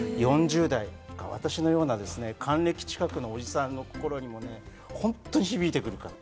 ４０代、私のような還暦近くのおじいさんの心にも本当に響いてくるから。